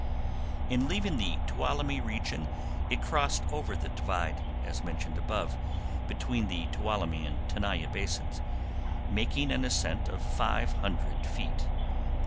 In leaving the Tuolumne region it crossed over the divide, as mentioned above, between the Tuolumne and Tenaya basins, making an ascent of five hundred feet.